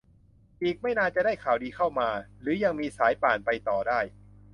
อีกไม่นานจะได้ข่าวดีเข้ามา หรือยังมีสายป่านไปต่อได้